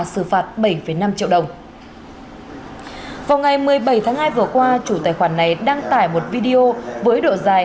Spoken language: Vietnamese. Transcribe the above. xử phạt bảy năm triệu đồng vào ngày một mươi bảy tháng hai vừa qua chủ tài khoản này đăng tải một video với độ dài